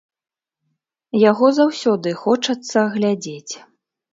Яго заўсёды хочацца глядзець.